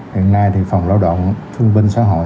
hiện nay thì phòng lao động thương binh xã hội